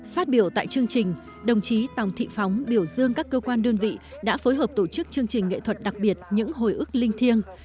phát biểu tại chương trình đồng chí tòng thị phóng biểu dương các cơ quan đơn vị đã phối hợp tổ chức chương trình nghệ thuật đặc biệt những hồi ức linh thiêng